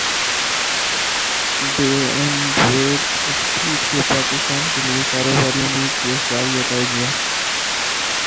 done and Bradstreet کے پاکستان کیلیے کاروباری امید کے اشاریہ کا اجرا